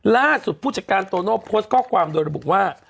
ผู้จัดการโตโน่โพสต์ข้อความโดยระบุว่า